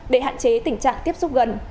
để hạn chế tình trạng tiếp xúc gần